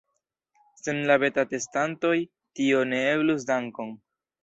Sen la beta-testantoj tio ne eblus dankon!